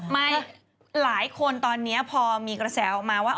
หลายคนตอนนี้พอมีกระแสออกมาว่า